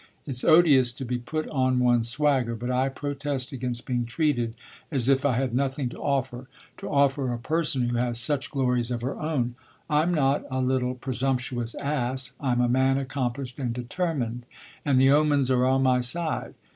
It's odious to be put on one's swagger, but I protest against being treated as if I had nothing to offer to offer a person who has such glories of her own. I'm not a little presumptuous ass; I'm a man accomplished and determined, and the omens are on my side."